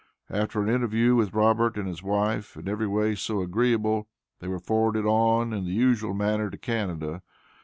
After an interview with Robert and his wife, in every way so agreeable, they were forwarded on in the usual manner, to Canada.